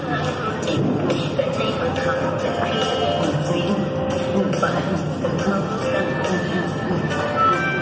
จริงแต่ในความใจจริงมุ่งฝันมุ่งฝันมุ่งฝัน